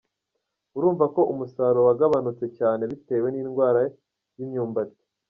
Urumva ko umusaruro wagabanutse cyane bitewe n’indwara y’imyumbati.